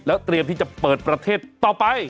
เตรียมที่จะเปิดประเทศต่อไป